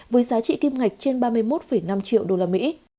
với giá trị kim ngạch trên ba mươi một năm triệu usd